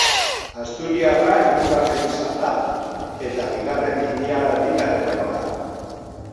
Asturiarra hirugarren izan da eta bigarren ilaratik aterako da.